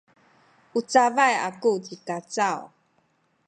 u cabay aku ci Kacaw.